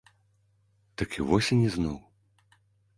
Так і восень ізноў.